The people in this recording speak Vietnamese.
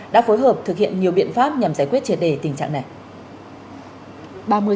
đã phối hợp thực hiện nhiều biện pháp nhằm giải quyết triệt đề tình trạng này